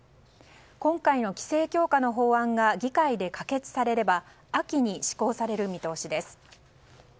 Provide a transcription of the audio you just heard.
今回の規制強化の法案が議会で可決されれば秋に施行される見通しです。